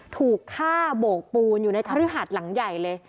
ถูกฆ่าโบกปูนอยู่ในคฤหัสหลังใหญ่เลย